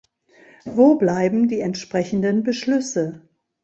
Wo bleiben die entsprechenden Beschlüsse?